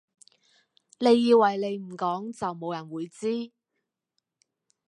你以為你唔講就冇人會知？